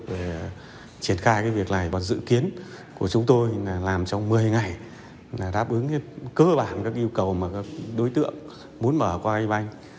để triển khai việc này dự kiến của chúng tôi là làm trong một mươi ngày đáp ứng cơ bản các yêu cầu mà các đối tượng muốn mở qua hay banh